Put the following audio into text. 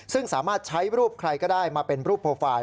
ซึ่งสามารถใช้รูปใครก็ได้มาเป็นรูปโปรไฟล์